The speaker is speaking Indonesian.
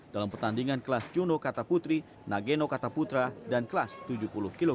dalam pertandingan kelas juno kata putri nageno kata putra dan kelas tujuh puluh kg